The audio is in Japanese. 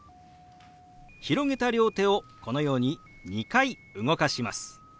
広げた両手をこのように２回動かします。